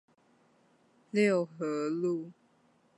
六和路